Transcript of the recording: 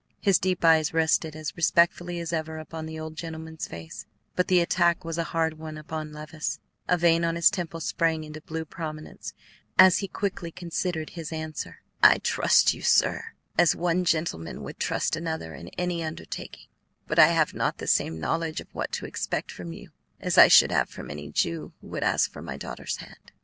His deep eyes rested as respectfully as ever upon the old gentleman's face. But the attack was a hard one upon Levice. A vein on his temple sprang into blue prominence as he quickly considered his answer. "I trust you, sir, as one gentleman would trust another in any undertaking; but I have not the same knowledge of what to expect from you as I should have from any Jew who would ask for my daughter's hand."